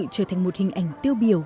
trở thành một hình ảnh tiêu biểu